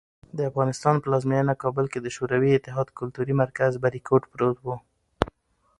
د افغانستان پلازمېنه کابل کې د شوروي اتحاد کلتوري مرکز "بریکوټ" پروت و.